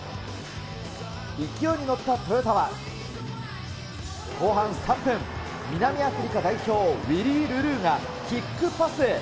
勢いに乗ったトヨタは後半３分、南アフリカ代表、ウィリー・ルルーがキックパス。